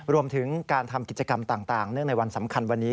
รวมถึงการทำกิจกรรมต่างเนื่องในวันสำคัญวันนี้